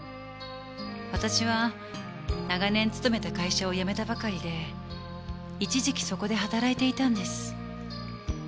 私は長年勤めた会社を辞めたばかりで一時期そこで働いていたんです。